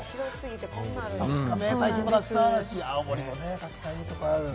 名産品も沢山あるし、青森もたくさんいいところがある。